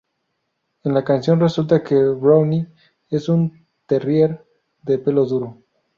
En la canción resulta que Brownie es un "terrier" de pelo duro.